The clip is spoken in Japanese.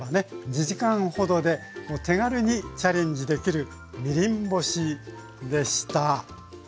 ２時間ほどで手軽にチャレンジできるみりん干しでした。